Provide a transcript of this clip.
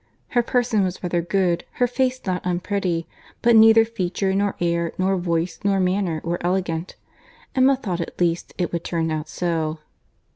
Her person was rather good; her face not unpretty; but neither feature, nor air, nor voice, nor manner, were elegant. Emma thought at least it would turn out so.